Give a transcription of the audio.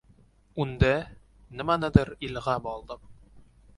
Unda “nimanidir” ilg’ab oldim.